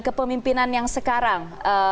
kepemimpinan yang sekarang